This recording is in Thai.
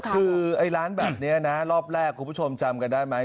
คือไอ้ร้านแบบนี้นะรอบแรกคุณผู้ชมจำกันได้ไหม